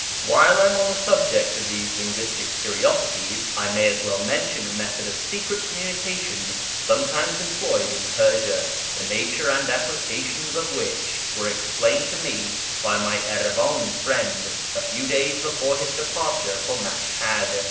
While I am on the subject of these linguistic curiosities, I may as well mention a method of secret communication some times employed in Persia, the nature and applications of which were explained to me by my Erivani friend a few days before his departure for Mashhad.